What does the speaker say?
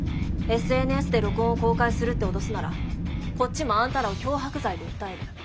ＳＮＳで録音を公開するって脅すならこっちもあんたらを脅迫罪で訴える。